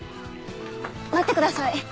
待ってください。